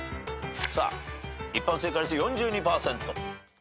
さあ一般正解率４２％。